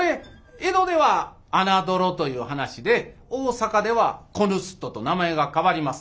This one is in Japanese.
江戸では「穴どろ」という噺で大坂では「子盗人」と名前が変わります。